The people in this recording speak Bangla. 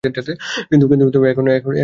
কিন্তু এক জনকে বাদ দিয়ে।